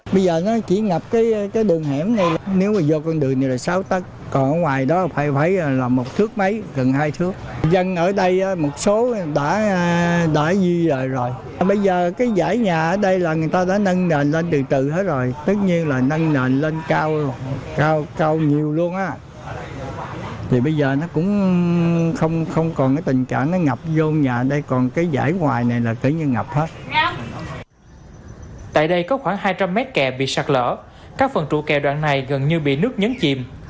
tại đây có khoảng hai trăm linh mét kè bị sạc lỡ các phần trụ kè đoạn này gần như bị nước nhấn chìm